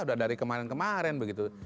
sudah dari kemarin kemarin begitu